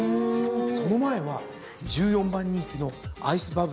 その前は１４番人気のアイスバブルが２着。